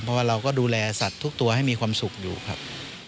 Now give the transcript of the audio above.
เพราะว่าเราก็ดูแลสัตว์ทุกตัวให้มีความสุขอยู่ครับ